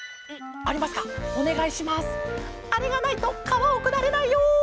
「あれがないとかわをくだれないよ」。